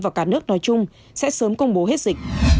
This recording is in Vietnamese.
và cả nước nói chung sẽ sớm công bố hết dịch